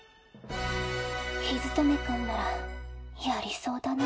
陽務君ならやりそうだな。